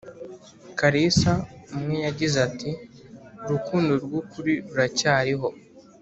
karisa umwe yagize ati “urukundo rw’ukuri ruracyariho